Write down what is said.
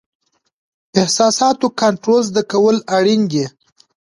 احساساتو کنټرول زده کول اړین دي.